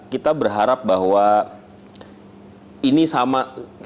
kita berharap bahwa ini sama